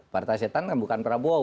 partai setan bukan prabowo